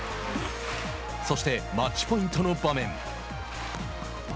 そして、マッチポイントの場面。